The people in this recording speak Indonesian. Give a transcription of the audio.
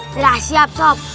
sudah siap sob